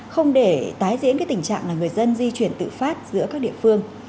không để tái diễn tình trạng người dân di chuyển tự phát giữa các địa phương